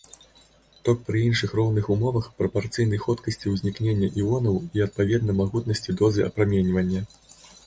Ток пры іншых роўных умовах прапарцыйны хуткасці ўзнікнення іонаў і, адпаведна, магутнасці дозы апраменьвання.